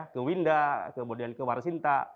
ke winda kemudian ke warsinta